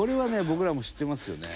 僕らも知ってますよね。